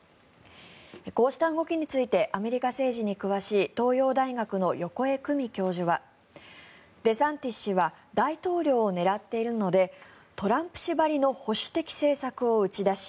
こうした動きについてアメリカ政治に詳しい東洋大学の横江公美教授はデサンティス氏は大統領を狙っているのでトランプ氏ばりの保守的政策を打ち出し